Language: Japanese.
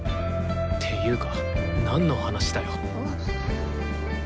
ていうかなんの話だよ？